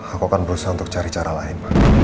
aku akan berusaha untuk cari cara lain